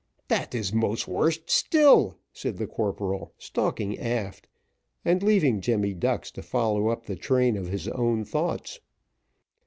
"Dat is most worse still," said the corporal, stalking aft, and leaving Jemmy Ducks to follow up the train of his own thoughts.